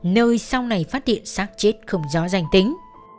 nơi sau này phát hiện sát chết không gió danh tính